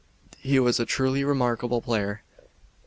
He was a truly remarkable player.